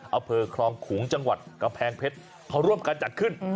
อำเภอคลองขุงจังหวัดกำแพงเพชรเขาร่วมกันจัดขึ้น